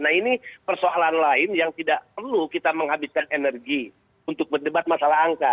nah ini persoalan lain yang tidak perlu kita menghabiskan energi untuk berdebat masalah angka